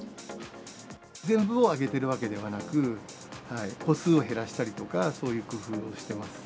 全部を上げてるわけではなく、個数を減らしたりとか、そういう工夫をしています。